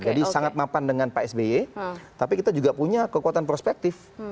jadi sangat mapan dengan psb tapi kita juga punya kekuatan perspektif